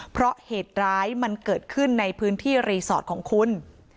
เพราะเหตุร้ายมันเกิดขึ้นในพื้นที่รีสอร์ทของคุณ